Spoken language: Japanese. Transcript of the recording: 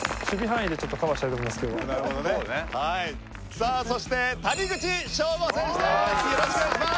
さあそして谷口彰悟選手です！